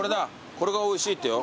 これがおいしいってよ。